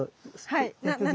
はい。